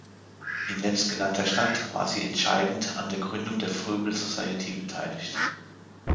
In letztgenannter Stadt war sie entscheidend an der Gründung der "Froebel-Society" beteiligt.